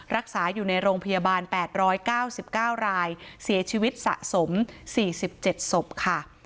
รักษาอยู่ในโรงพยาบาล๘๙๙รายเสียชีวิตสะสม๔๗ศพค่ะ